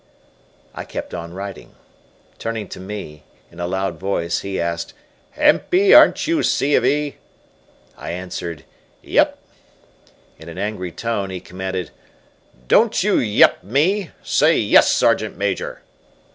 I kept on writing. Turning to me, in a loud voice, he asked, "Empey, aren't you C. of E.?" I answered, "Yep." In an angry tone, he commanded, "Don't you 'yep' me. Say, 'Yes, Sergeant Major!'"